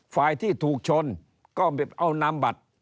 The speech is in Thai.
ฝ่ายที่ถูกชนก็เอานามบัตร